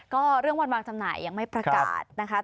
ก็เรื่องวันวางจำหน่ายยังไม่ประกาศนะคะ